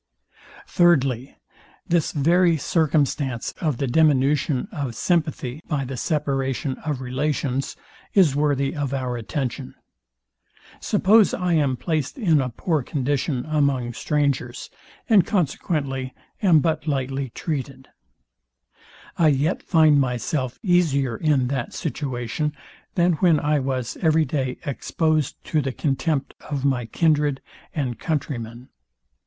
Thirdly, This very circumstance of the diminution of sympathy by the separation of relations is worthy of our attention. Suppose I am placed in a poor condition among strangers, and consequently am but lightly treated; I yet find myself easier in that situation, than when I was every day exposed to the contempt of my kindred and countrymen.